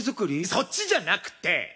そっちじゃなくて！